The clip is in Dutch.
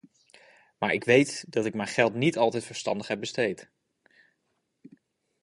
Maar ik weet dat ik mijn geld niet altijd verstandig heb besteed.